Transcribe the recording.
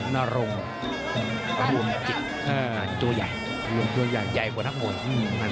นรงภูมิจิตเอ่อตัวใหญ่ภูมิตัวใหญ่ใหญ่กว่านักมวยอืมอ่า